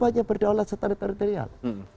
kita tidak hanya berdaulat secara teritorial